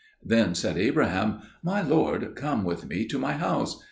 Then said Abraham, "My lord, come with me to my house."